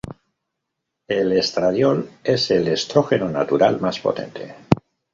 El estradiol es el estrógeno natural más potente.